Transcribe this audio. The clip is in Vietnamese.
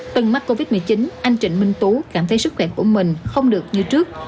từng mắc covid một mươi chín anh trịnh minh tú cảm thấy sức khỏe của mình không được như trước